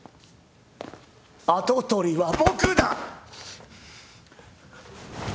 跡取りは僕だ！